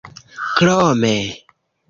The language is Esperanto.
krome